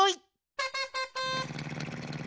ププププ。